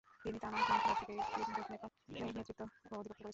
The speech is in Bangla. তিনি তানাহুন রাজ্যকে একীভূত নেপালে নেতৃত্ব ও অধিভুক্ত করেছিলেন।